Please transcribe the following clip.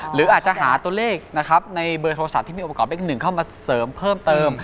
หรืออาจหาตรงเลขนะครับในเบอร์โทรศัตริย์ที่มีอุปกรณ์นี้มาเสริมเพิ่มเติม